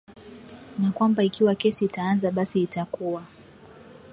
na kwamba ikiwa kesi itaanza basi itakuwa